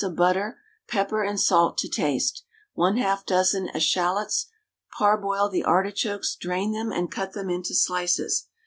of butter, pepper and salt to taste, 1/2 dozen eschalots. Parboil the artichokes, drain them, and cut them into slices.